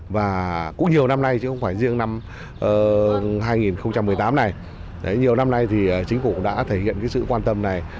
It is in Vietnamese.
và cũng nhiều năm nay chứ không phải riêng năm hai nghìn một mươi tám này nhiều năm nay thì chính phủ đã thể hiện sự quan tâm này